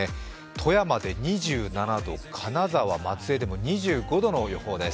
富山で２７度、金沢・松江でも２５度の予報です。